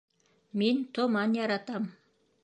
Мин томан яратам